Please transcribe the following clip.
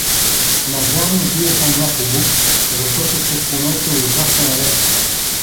Навярно биеха някого, защото се понесе ужасен рев.